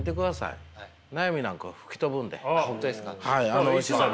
あのおいしさなら。